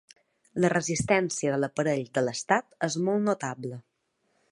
La resistència de l’aparell de l’estat és molt notable.